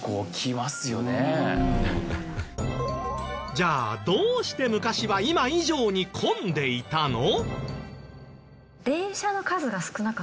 じゃあどうして昔は今以上に混んでいたの？